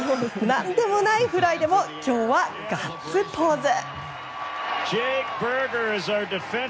何でもないフライでも今日はガッツポーズ。